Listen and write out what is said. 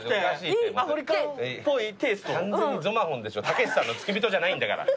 たけしさんの付き人じゃないんだから。